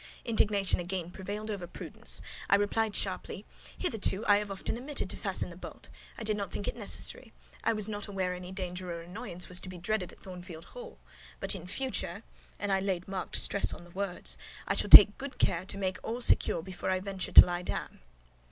Indignation again prevailed over prudence: I replied sharply, "Hitherto I have often omitted to fasten the bolt: I did not think it necessary. I was not aware any danger or annoyance was to be dreaded at Thornfield Hall: but in future" (and I laid marked stress on the words) "I shall take good care to make all secure before I venture to lie down."